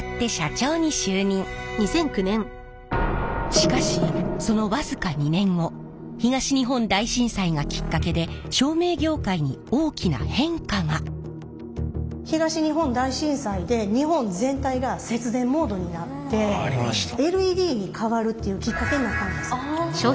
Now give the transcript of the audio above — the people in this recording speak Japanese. しかしその僅か２年後東日本大震災で日本全体が節電モードになってＬＥＤに代わるっていうきっかけになったんです。